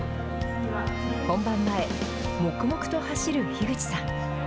本番前、黙々と走る樋口さん。